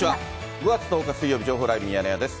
５月１０日水曜日、情報ライブミヤネ屋です。